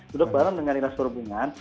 duduk bareng dengan ilah suruh bingungan